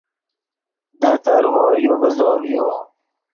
دے ترغو یو ڤیزو ڤیو